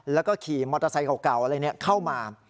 แล้วก็ขี่มอเตอร์ไซค์เก่าอะไรเข้ามา